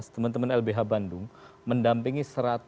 teman teman ilbhi bandung mendampingi satu ratus enam puluh dua